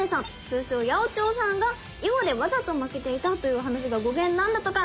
通称八百長さんが囲碁でわざと負けていたという話が語源なんだとか。